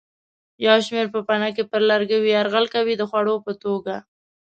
یو شمېر پوپنکي پر لرګیو یرغل کوي د خوړو په توګه.